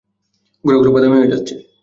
গোড়াগুলো বাদামী হয়ে যাচ্ছে।